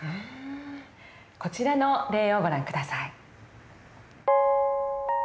こちらの例をご覧下さい。